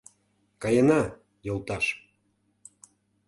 Каена, йолташ.